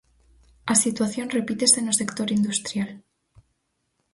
A situación repítese no sector industrial.